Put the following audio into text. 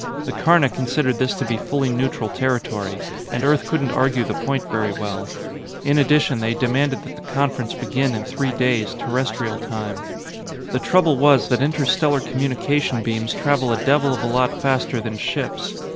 The Karna considered this to be fully neutral territory, and Earth couldn't argue the point very well. In addition, they demanded that the conference begin in three days, Terrestrial time. The trouble was that interstellar communication beams travel a devil of a lot faster than ships.